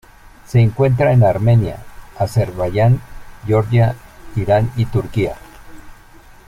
Se encuentra en Armenia, Azerbaiyán, Georgia, Irán y Turquía.